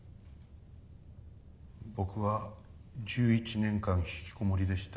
僕は１１年間ひきこもりでした。